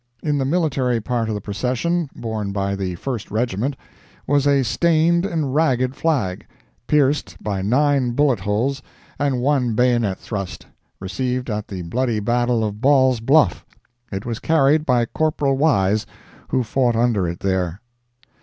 In the military part of the procession, borne by the First Regiment, was a stained and ragged flag, pierced by nine bullet holes and one bayonet thrust, received at the bloody battle of Ball's Bluff. It was carried by Corporal Wise, who fought under it there.